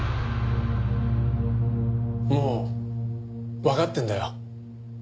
もうわかってるんだよ。